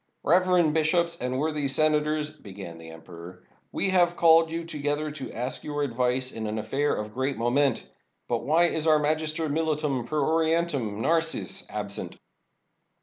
"Reverend bishops and worthy senators," began the emperor, "we have called you together to ask your advice in an affair of great moment. But why is our Magister Militum per Orientum, Narses, absent?"